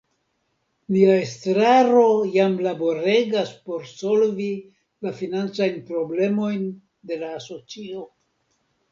Nia Estraro jam laboregas por solvi la financajn problemojn de la Asocio.